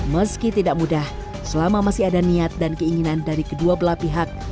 meski tidak mudah selama masih ada niat dan keinginan dari kedua belah pihak